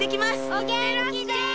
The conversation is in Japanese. おげんきで！